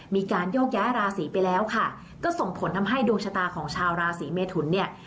มีการโยกย้ายราศีไปแล้วค่ะก็ส่งผลทำให้ดวงชะตาของชาวราศีเมทุนเนี่ย